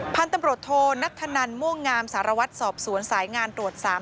พันธุ์ตำรวจโทนัทธนันม่วงงามสารวัตรสอบสวนสายงานตรวจ๓๐